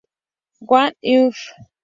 What U need?